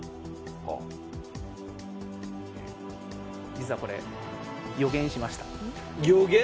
実はこれ、予言しました。